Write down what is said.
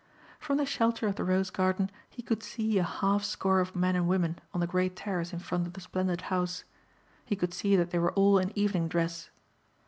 From the shelter of the rose garden he could see a half score of men and women on the great terrace in front of the splendid house. He could see that they were all in evening dress.